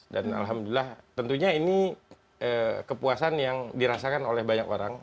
dan alhamdulillah tentunya ini kepuasan yang dirasakan oleh banyak orang